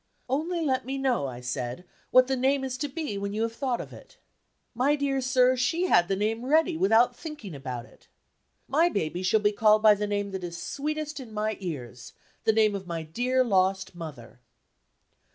'Only let me know,' I said, 'what the name is to be when you have thought of it.' My dear sir, she had the name ready, without thinking about it: 'My baby shall be called by the name that is sweetest in my ears, the name of my dear lost mother.